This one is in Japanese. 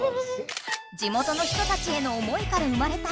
地元の人たちへの思いから生まれたオムライス。